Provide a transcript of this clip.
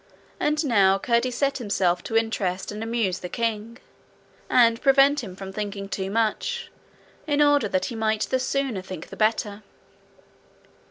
And now Curdie set himself to interest and amuse the king, and prevent him from thinking too much, in order that he might the sooner think the better.